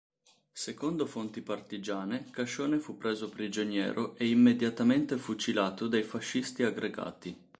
Secondo fonti partigiane Cascione fu preso prigioniero e immediatamente fucilato dai fascisti aggregati.